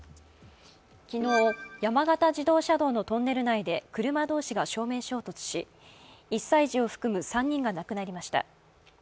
昨日、山形自動車道のトンネル内で車同士が正面衝突し、１歳児を含む３人が亡くなりました。